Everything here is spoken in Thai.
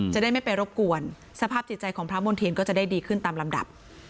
จะได้ไม่ไปรบกวนสภาพจิตใจของพระมณ์เทียนก็จะได้ดีขึ้นตามลำดับ